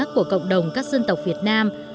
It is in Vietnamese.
của cộng đồng các dân tộc việt nam